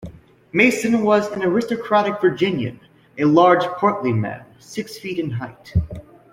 Mason was an aristocratic Virginian, a large portly man, six feet in height.